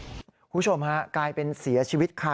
คุณผู้ชมฮะกลายเป็นเสียชีวิตค่ะ